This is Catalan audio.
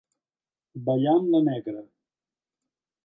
Ballar amb la negra.